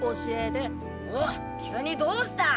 おっ急にどうした。